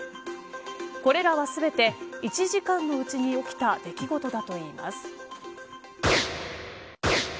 これらは全て１時間のうちに起きた出来事だといいます。